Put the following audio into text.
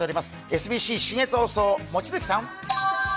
ＳＢＣ信越放送、望月さん。